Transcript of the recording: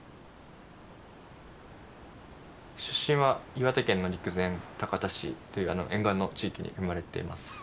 出身は岩手県の陸前高田市っていう沿岸の地域に生まれてます。